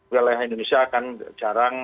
wilayah indonesia akan jarang